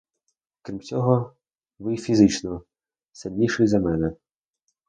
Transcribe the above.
Крім цього, ви й фізично сильніший за мене.